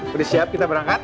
sudah siap kita berangkat